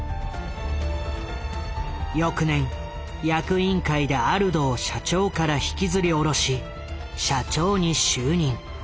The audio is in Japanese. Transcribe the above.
翌年役員会でアルドを社長から引きずりおろし社長に就任。